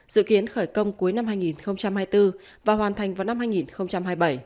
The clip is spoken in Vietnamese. dự kiến khởi công cuối năm hai nghìn hai mươi bốn và hoàn thành vào năm hai nghìn hai mươi bảy